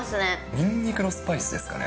ニンニクのスパイスですかね。